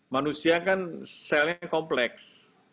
manusia kan selnya kompleks